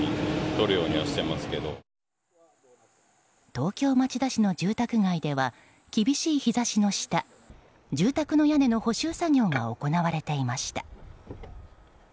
東京・町田市の住宅街では厳しい日差しの下住宅の屋根の補修作業が行われていました。